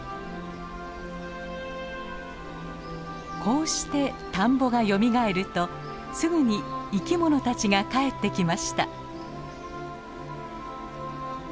こうして田んぼがよみがえるとすぐに生き物たちが帰ってきました。